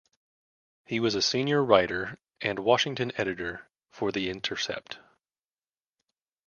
He was a senior writer and Washington editor for "The Intercept".